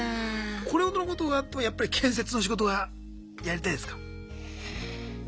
これほどのことがあってもやっぱり建設の仕事がやりたいですか？